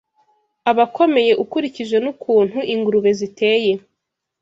abakomeye ukurikije n’ukuntu ingurube ziteye